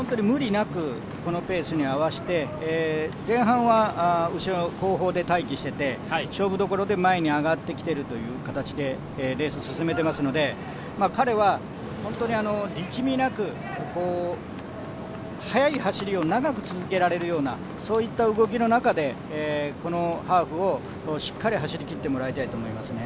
無理なくこのペースに合わせて、前半は後方で待機していて勝負どころで前に上がってきてるという形でレース進めてますので彼は本当に力みなく速い走りを長く続けられるようなそういった動きの中でこのハーフをしっかり走りきってもらいたいと思いますね。